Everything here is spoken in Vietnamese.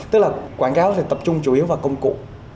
tức là quảng cáo thì tập trung chủ yếu vào công cụ